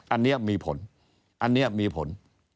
อันนี้มีผลอันนี้มีผล